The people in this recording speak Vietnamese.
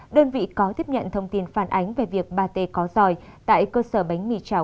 đơn vị có tiếp nhận thông tin phản ánh về việc bà tê có dòi tại cơ sở bánh mì chảo